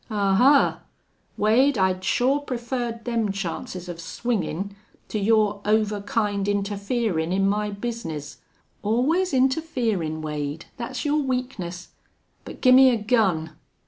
"Ahuh! Wade, I'd sure preferred them chances of swingin' to your over kind interferin' in my bizness. Allus interferin', Wade, thet's your weakness!... But gimmie a gun!"